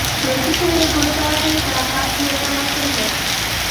লজ্জিত হইয়া গোরা তাড়াতাড়ি তাঁহার পা ছুঁইয়া প্রণাম করিল।